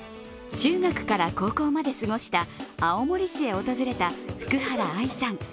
中学から高校まで過ごした青森市へ訪れた福原愛さん。